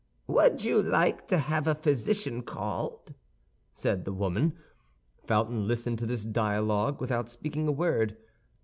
"Would you like to have a physician called?" said the woman. Felton listened to this dialogue without speaking a word.